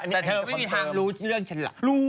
เธอไม่มีทางรู้เรื่องฉันหรอกรู้ค่ะ